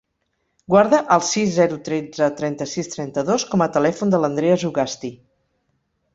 Guarda el sis, zero, tretze, trenta-sis, trenta-dos com a telèfon de l'Andrea Zugasti.